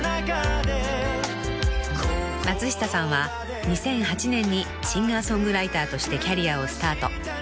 ［松下さんは２００８年にシンガー・ソングライターとしてキャリアをスタート］